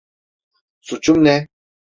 Suçum ne?